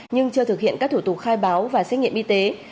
nhưng chưa thực hiện các thủ tục khai báo và xét nghiệm y tế